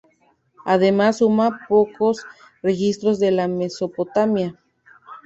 Además suma pocos registros de la Mesopotamia.